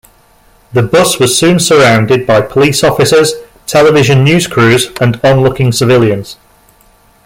The bus was soon surrounded by police officers, television news crews, and onlooking civilians.